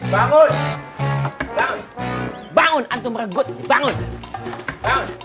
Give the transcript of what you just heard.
bangun bangun antum regut bangun